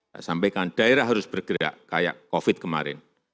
saya sampaikan daerah harus bergerak kayak covid kemarin